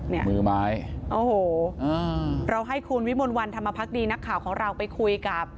เนี่ยมือไม้โอ้โหอ่าเราให้คุณวิมลวันธรรมพักดีนักข่าวของเราไปคุยกับ